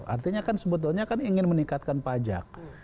artinya kan sebetulnya kan ingin meningkatkan pajak